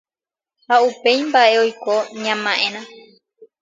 ha upéi mba’e oiko ña ma’érã